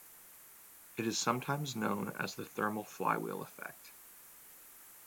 It is sometimes known as the thermal flywheel effect.